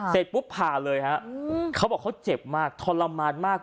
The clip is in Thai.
เสร็จปุ๊บผ่าเลยฮะเขาบอกเขาเจ็บมากทรมานมาก